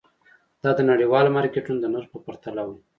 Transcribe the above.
دا د نړیوالو مارکېټونو د نرخ په پرتله وو.